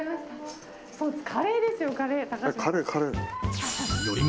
カレーですよ、カレー。